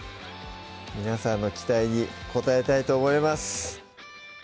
皆さんの期待に応えたいと思います